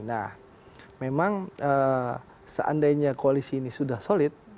nah memang seandainya koalisi ini sudah solid